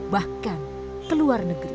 bahkan ke luar negeri